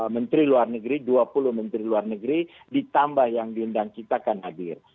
menteri luar negeri dua puluh menteri luar negeri ditambah yang diundang kita akan hadir